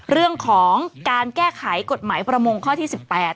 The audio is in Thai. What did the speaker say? เรื่องของการแก้ไขกฎหมายประมงข้อที่๑๘